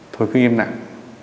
tôi cứ im nặng